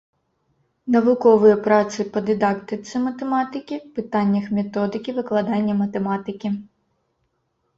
Навуковыя працы па дыдактыцы матэматыкі, пытаннях методыкі выкладання матэматыкі.